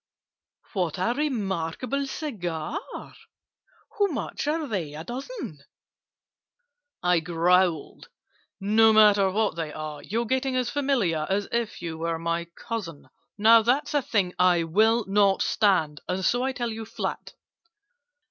"What a re markable cigar! How much are they a dozen?" I growled "No matter what they are! You're getting as familiar As if you were my cousin! "Now that's a thing I will not stand, And so I tell you flat."